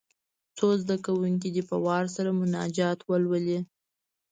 څو زده کوونکي دې په وار سره مناجات ولولي.